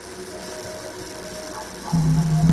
د نورو سپکاوی مه کوئ ترڅو ستاسو سپکاوی ونه سي.